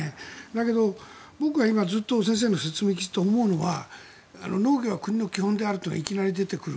だけど、僕は今ずっと先生の説明を聞いていて思うのは農業は国の基本であるというのがいきなり出てくる。